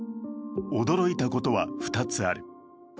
驚いたことは２つある。